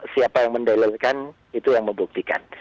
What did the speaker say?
siapa yang mendalilkan itu yang membuktikan